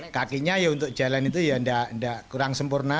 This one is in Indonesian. kakinya ya untuk jalan itu ya tidak kurang sempurna